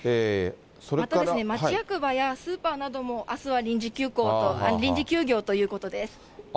また、町役場やスーパーなども、あすは臨時休業ということです。